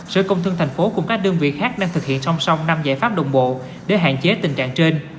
sở công thương thành phố cùng các đơn vị khác đang thực hiện song song năm giải pháp đồng bộ để hạn chế tình trạng trên